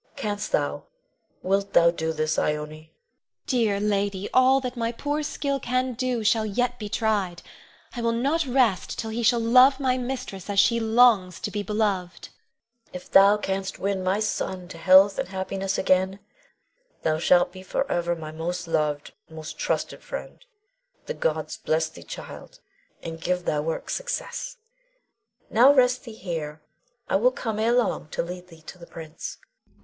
Canst thou, wilt thou do this, Ione? Ione. Dear lady, all that my poor skill can do shall yet be tried. I will not rest till he shall love my mistress as she longs to be beloved. Queen. If thou canst win my son to health and happiness again, thou shalt be forever my most loved, most trusted friend. The gods bless thee, child, and give thy work success! Now rest thee here. I will come ere long to lead thee to the prince.